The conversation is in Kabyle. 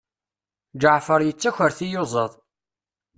Ǧeɛfer yettaker tiyuẓaḍ.